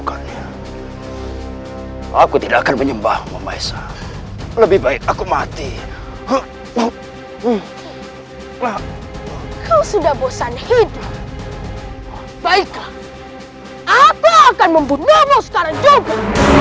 aku akan membunuhmu sekarang juga